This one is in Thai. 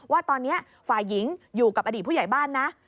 ว่าตอนนี้ฝ่ายหญิงอยู่กับอดีตผู้ใหญ่บ้านนะ